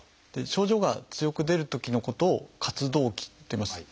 症状が強く出るときのことを「活動期」っていいます。